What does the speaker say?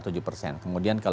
kemudian kemudian pak jokowi